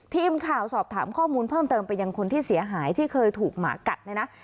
ทีมข่าวสอบถามข้อมูลเพิ่มเติมไปยังคนที่เสียหายที่เคยถูกหมากัดเนี่ยนะ